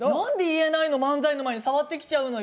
なんで漫才の前に触ってきちゃうのよ。